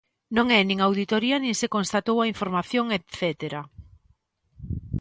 Non é nin auditoría nin se constatou a información etcétera.